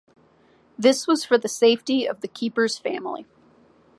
This was for the safety of the keeper's family.